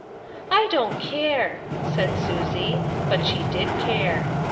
" I don't care," said Susie, but she did care.